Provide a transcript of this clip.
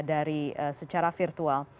dari secara virtual